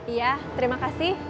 iya terima kasih